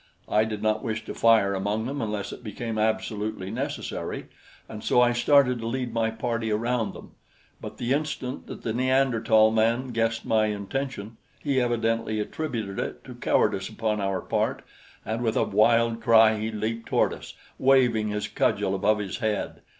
I did not wish to fire among them unless it became absolutely necessary, and so I started to lead my party around them; but the instant that the Neanderthal man guessed my intention, he evidently attributed it to cowardice upon our part, and with a wild cry he leaped toward us, waving his cudgel above his head.